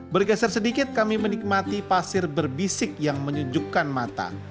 bergeser sedikit kami menikmati pasir berbisik yang menunjukkan mata